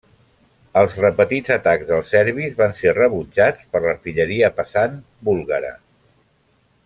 Els repetits atacs dels serbis van ser rebutjats per l'artilleria pesant búlgara.